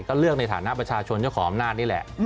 ก็เลือกในฐานะประชาชนเจ้าของอำนาจนี่แหละ